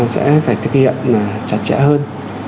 sẽ phải thực hiện chặt chẽ hơn